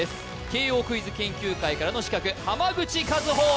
慶應クイズ研究会からの刺客口和歩